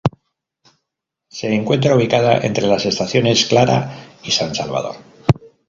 Se encuentra ubicada entre las estaciones Clara y San Salvador.